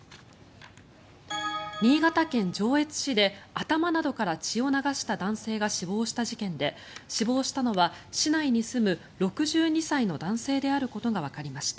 新潟県上越市で頭などから血を流した男性が死亡した事件で死亡したのは市内に住む６２歳の男性であることがわかりました。